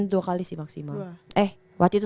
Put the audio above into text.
dua kali sih maksimal eh waktu itu